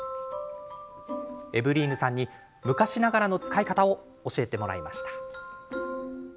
エヴリーヌさんに昔ながらの使い方を教えてもらいました。